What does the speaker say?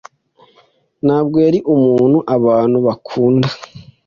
Ntabwo yari umuntu abantu bakunda.